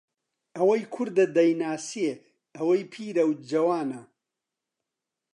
ئەوەی کوردە دەیناسێ ئەوەی پیرەو جەوانە